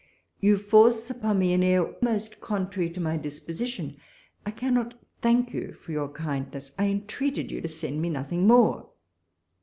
You force upon me an air most contrary to my dis position. I cannot thank you for your kindness ; I entreated you to send me nothing moie.